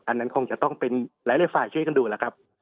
อันนั้นคงจะต้องเป็นหลายฝ่ายช่วยกันดูแล้วครับ